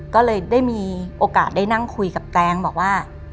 ก็เลยได้มีโอกาสได้นั่งคุยกับแตงบอกว่า